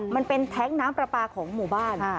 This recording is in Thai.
มันเป็นแท้งน้ำปลาปลาของหมู่บ้าน